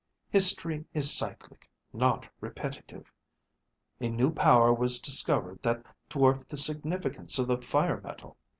History is cyclic, not repetitive. A new power was discovered that dwarfed the significance of the fire metal.